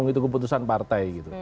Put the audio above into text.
itu keputusan partai